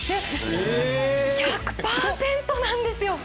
１００％なんですよ。